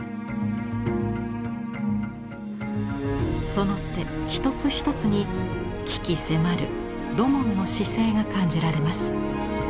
その手一つ一つに鬼気迫る土門の姿勢が感じられます。